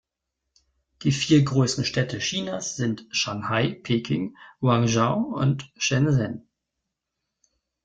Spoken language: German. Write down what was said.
Die vier größten Städte Chinas sind Shanghai, Peking, Guangzhou und Shenzhen.